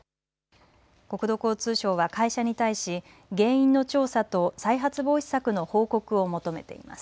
国土交通省は会社に対し原因の調査と再発防止策の報告を求めています。